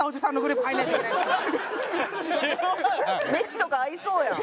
飯とか合いそうやん。